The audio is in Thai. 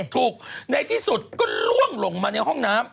ถูกในที่สุดก็ล่วงลงมาในห้องน้ำ